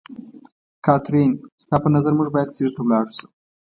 کاترین، ستا په نظر موږ باید چېرته ولاړ شو؟